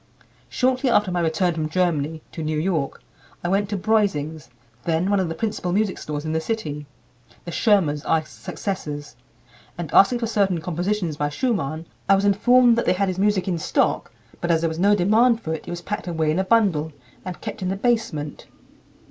Shortly after my return from Germany (to New York) I went to Breusing's, then one of the principal music stores in the city, the Schirmers are his successors, and asking for certain compositions by Schumann, I was informed that they had his music in stock, but as there was no demand for it, it was packed away in a bundle, and kept in the basement."